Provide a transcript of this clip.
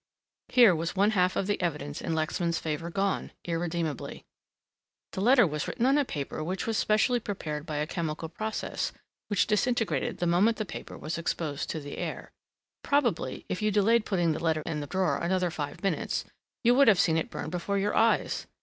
Here was one half of the evidence in Lexman's favour gone, irredeemably. "The letter was written on a paper which was specially prepared by a chemical process which disintegrated the moment the paper was exposed to the air. Probably if you delayed putting the letter in the drawer another five minutes, you would have seen it burn before your eyes.